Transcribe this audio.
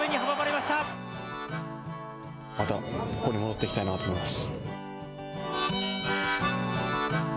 またここに戻ってきたいなと思います。